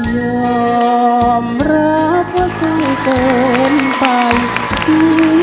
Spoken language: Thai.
โยมรับเว้าเมืองต้นไป